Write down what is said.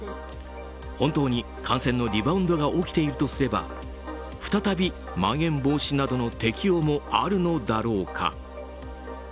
本当に感染のリバウンドが起きているとすれば再びまん延防止などの適用もあるのだろうか。